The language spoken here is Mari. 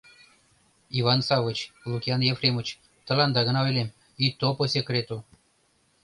Иван Саввич, Лукиан Ефремыч, тыланда гына ойлем, ито по секрету...